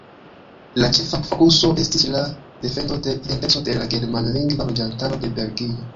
La ĉefa fokuso estis la defendo de identeco de la germanlingva loĝantaro de Belgio.